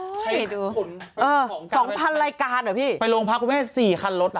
โอ้โฮดูขุนของการรับรับรับการไปโรงพักว่า๔คันรถอ่ะ